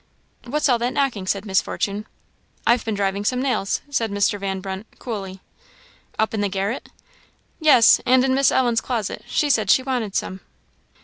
"What's all that knocking?" said Miss Fortune. "I've been driving some nails," said Mr. Van Brunt, coolly. "Up in the garret?" "Yes, and in Miss Ellen's closet; she said she wanted some."